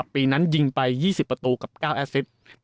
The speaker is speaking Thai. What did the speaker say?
ปีนั้นยิงไป๒๐ประตูกับ๙แอสซิส